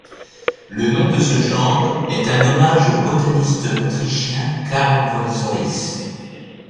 Le nom de ce genre est un hommage au botaniste autrichien Karl von Zois.